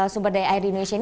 sumberdaya air di indonesia